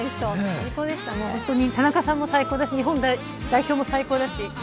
田中さんも最高だし日本代表も最高だしめ